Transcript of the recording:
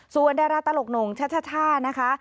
ส่วนดาราตลกหน่งชัชช่านะคะ